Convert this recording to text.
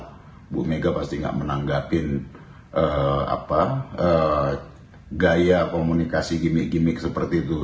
ibu mega pasti nggak menanggapin gaya komunikasi gimmick gimmick seperti itu